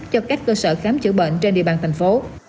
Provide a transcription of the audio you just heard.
cho các cơ sở khám chữa bệnh trên địa bàn tp